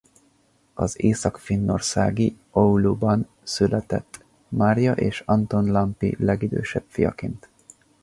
Az Észak-Finnországi Ouluban született Maria és Anton Lampi legidősebb fiaként.